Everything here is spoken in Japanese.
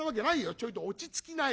ちょいと落ち着きなよ。